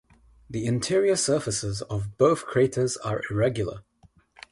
The interior surfaces of both craters are irregular.